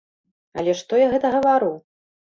Але што я гэта гавару?